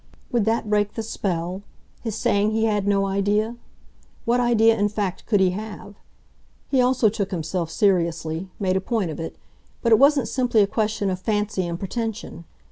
Would that break the spell, his saying he had no idea? What idea in fact could he have? He also took himself seriously made a point of it; but it wasn't simply a question of fancy and pretension.